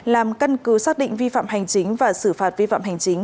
làm căn cứ xác định vi phạm hành chính và xử phạt vi phạm hành chính